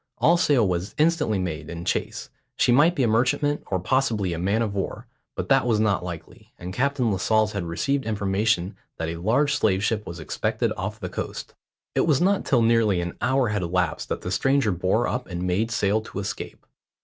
All sail was instantly made in chase she might be a merchantman, or possibly a man of war; but that was not likely, and Captain Lascelles had received information that a large slave ship was expected off the coast. It was not till nearly an hour had elapsed that the stranger bore up and made sail to escape.